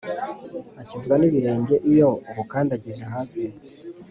Akizwa n'ibirenge iyo ubukandagije hasi